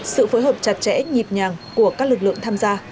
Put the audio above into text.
sự phối hợp chặt chẽ nhịp nhàng của các lực lượng tham gia